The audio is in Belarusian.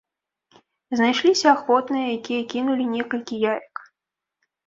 Знайшліся ахвотныя, якія кінулі некалькі яек.